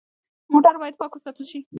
موټر باید پاک وساتل شي.